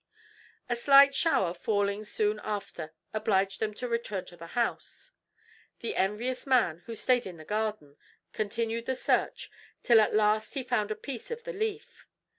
A slight shower falling soon after obliged them to return to the house. The envious man, who stayed in the garden, continued the search till at last he found a piece of the leaf.